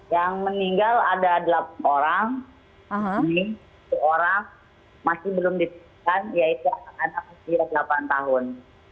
yang meninggal ada delapan orang satu orang masih belum ditemukan yaitu anak anak usia delapan tahun